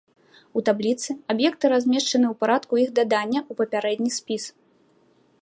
У табліцы аб'екты размешчаны ў парадку іх дадання ў папярэдні спіс.